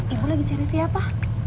ibu lagi cari siapa